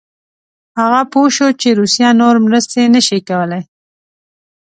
هغه پوه شو چې روسیه نور مرستې نه شي کولای.